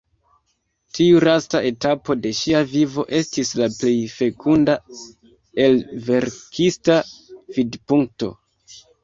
Tiu lasta etapo de ŝia vivo estis la plej fekunda el verkista vidpunkto.